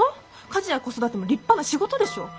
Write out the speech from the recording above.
家事や子育ても立派な仕事でしょ。